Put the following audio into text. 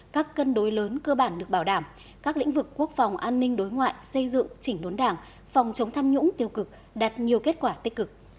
các cân đối lớn cơ bản được bảo đảm các lĩnh vực quốc phòng an ninh đối ngoại xây dựng chỉnh đốn đảng phòng chống tham nhũng tiêu cực đạt nhiều kết quả tích cực